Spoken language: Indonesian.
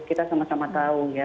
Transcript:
kita sama sama tahu ya